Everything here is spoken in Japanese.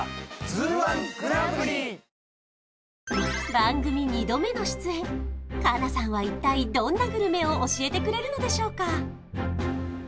番組２度目の出演佳奈さんは一体どんなグルメを教えてくれるのでしょうか？